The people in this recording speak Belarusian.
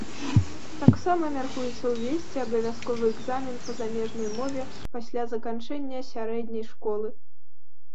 Таксама мяркуецца ўвесці абавязковы экзамен па замежнай мове пасля заканчэння сярэдняй школы.